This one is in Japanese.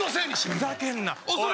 ふざけんなおい！